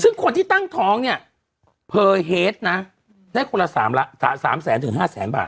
ซึ่งคนที่ตั้งท้องเนี้ยเนี้ยได้คนละสามละสามแสนถึงห้าแสนบาท